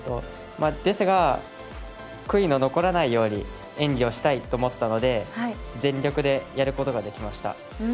ですが、悔いの残らないように演技をしたいと思ったので全力でやることができました。